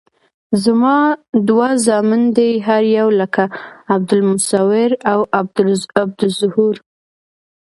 زما دوه زامن دي هر یو لکه عبدالمصویر او عبدالظهور.